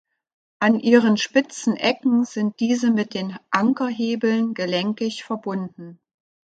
An ihren spitzen Ecken sind diese mit den „Anker“-Hebeln gelenkig verbunden.